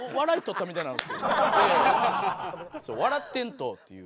笑ってんとっていう。